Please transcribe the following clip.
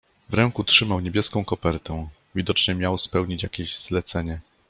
"W ręku trzymał niebieską kopertę, widocznie miał spełnić jakieś zlecenie."